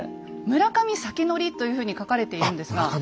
「村上先乗」というふうに書かれているんですが。